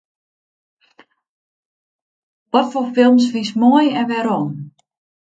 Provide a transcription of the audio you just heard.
Watfoar films fynst moai en wêrom?